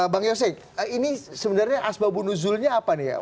bang yosek ini sebenarnya asbabunuzulnya apa nih ya